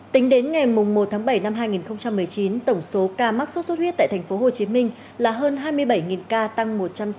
tính đến ngày một tháng bảy năm hai nghìn một mươi chín tổng số ca mắc sốt xuất huyết tại tp hcm là hơn hai mươi bảy ca tăng một trăm sáu mươi bảy